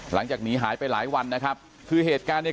หลังจากหนีหายไปหลายวันนะครับคือเหตุการณ์เนี่ย